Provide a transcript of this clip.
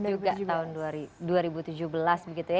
juga tahun dua ribu tujuh belas begitu ya